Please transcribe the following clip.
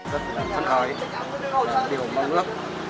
tết là một phần khói điều mong lắm